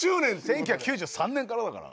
１９９３年からだから。